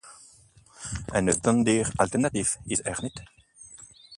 Een verstandig alternatief is er niet.